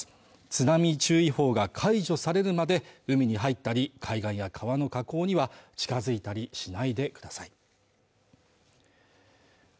津波注意報が解除されるまで海に入ったり海岸や川の河口には近づいたりしないでください